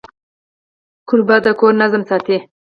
کوربه د کور نظم ساتي.